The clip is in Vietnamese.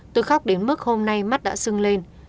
tôi khóc đến mức hôm nay mắt đã sưng lên